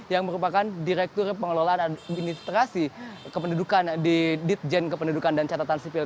yang merupakan direktur pengelolaan administrasi kependudukan di ditjen kependudukan dan catatan sipil